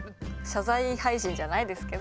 謝罪配信じゃないですけど。